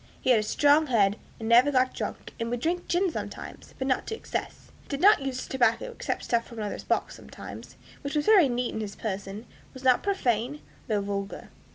He had a strong head, and never got drunk; would drink gin sometimes, but not to excess. Did not use tobacco, except snuff out of another's box, sometimes; was very neat in his person; was not profane, though vulgar."